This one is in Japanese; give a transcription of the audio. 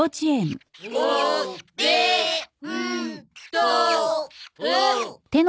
おべんとう。